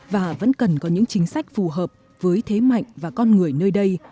và vẫn cần có những chính sách phù hợp với thế mạnh và con người nơi đây